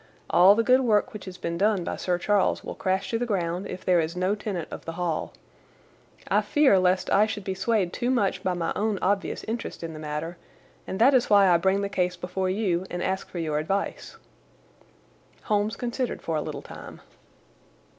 All the good work which has been done by Sir Charles will crash to the ground if there is no tenant of the Hall. I fear lest I should be swayed too much by my own obvious interest in the matter, and that is why I bring the case before you and ask for your advice." Holmes considered for a little time.